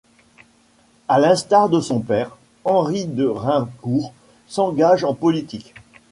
À l'instar de son père, Henri de Raincourt s'engage en politique.